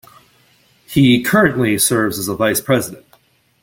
He currently serves as a vice president.